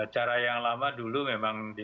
cara yang lama dulu memang